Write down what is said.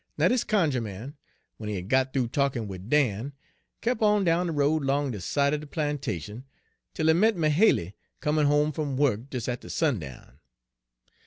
"Now, dis cunjuh man, w'en he had got th'oo talkin' wid Dan, kep' on down de road 'long de side er de plantation, 'tel he met Mahaly comin' home fum wuk des atter sundown.